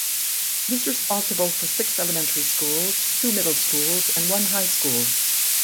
It is responsible for six elementary schools, two middle schools and one high school.